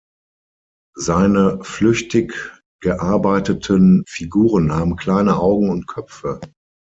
Seine flüchtig gearbeiteten Figuren haben kleine Augen und Köpfe.